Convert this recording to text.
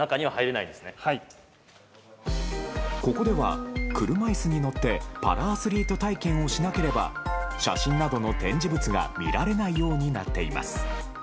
ここでは、車椅子に乗ってパラアスリート体験をしなければ写真などの展示物が見られないようになっています。